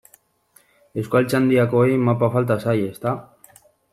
Euskaltzaindiakoei mapa falta zaie, ezta?